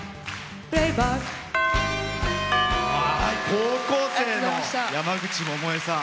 高校生の山口百恵さん。